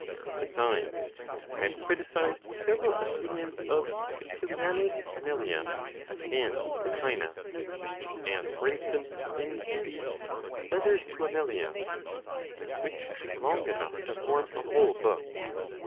Besides, I have criticized several opinions of Gentilianus Amelius and Plotinos, as for instance in the "Letter to Amelius" which is long enough to form a whole book.